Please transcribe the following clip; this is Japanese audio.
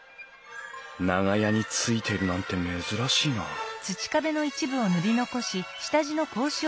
長屋についてるなんて珍しいなうん？